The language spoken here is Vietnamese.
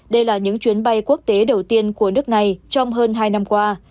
đây là những chuyến bay quốc tế đầu tiên của nước này trong hơn hai năm qua